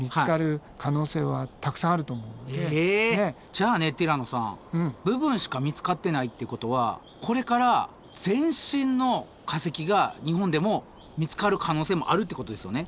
じゃあねティラノさん部分しか見つかってないってことはこれから全身の化石が日本でも見つかる可能性もあるってことですよね？